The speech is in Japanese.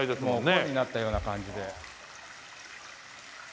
もう鯉になったような感じで。